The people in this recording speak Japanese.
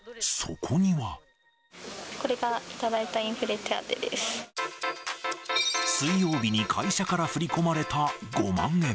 これが頂いたインフレ手当で水曜日に会社から振り込まれた５万円。